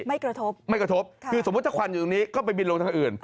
ไม่กระทบไม่กระทบคือสมมุติถ้าควันอยู่ตรงนี้ก็ไปบินลงทางอื่น